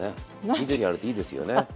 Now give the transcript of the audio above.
緑あるといいですよね。